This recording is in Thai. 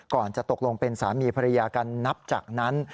จะตกลงเป็นสามีภรรยากันนับจากนั้น